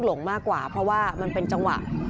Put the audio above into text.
พี่อุ๋ยพ่อจะบอกว่าพ่อจะรับผิดแทนลูก